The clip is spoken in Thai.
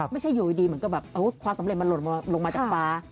ไม่ใช่อยู่ดีมันก็แบบความสำเร็จมันลงมาจากฟ้า